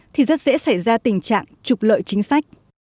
thì rất dễ xảy ra tình trạng trục lợi chính sách